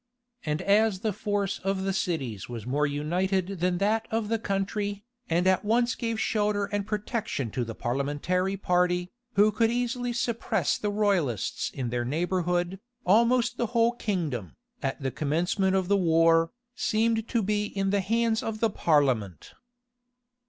And as the force of the cities was more united than that of the country, and at once gave shelter and protection to the parliamentary party, who could easily suppress the royalists in their neighborhood, almost the whole kingdom, at the commencement of the war, seemed to be in the hands of the parliament.